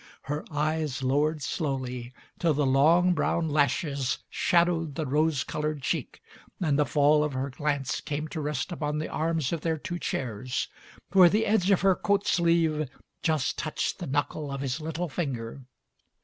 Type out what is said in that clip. Her eyes lowered slowly till the long, brown lashes shadowed the rose coloured cheek and the fall of her glance came to rest upon the arms of their two chairs, where the edge of her coat sleeve just touched the knuckle of his little finger.